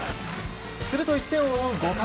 すると１点を追う５回。